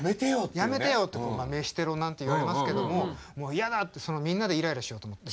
やめてよって飯テロなんていわれますけども「やだ！」ってみんなでイライラしようと思って。